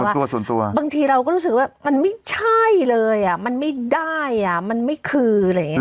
บางทีเราก็รู้สึกว่ามันไม่ใช่เลยมันไม่ได้มันไม่คืออะไรอย่างนี้